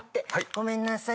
ごめんなさい。